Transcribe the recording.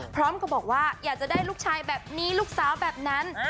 พร้อมกับบอกว่าอยากจะได้ลูกชายแบบนี้ลูกสาวแบบนั้น